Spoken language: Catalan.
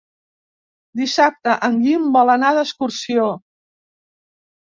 Dissabte en Guim vol anar d'excursió.